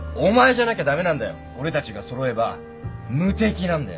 俺たちが揃えば無敵なんだよ